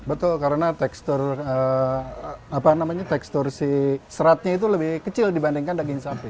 betul karena tekstur tekstur si seratnya itu lebih kecil dibandingkan daging sapi